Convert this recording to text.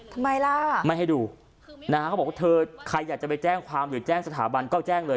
ทำไมล่ะไม่ให้ดูนะฮะเขาบอกว่าเธอใครอยากจะไปแจ้งความหรือแจ้งสถาบันก็แจ้งเลย